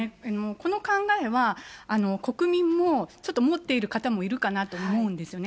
この考えは、国民もちょっと思っている方もいるかなと思うんですね。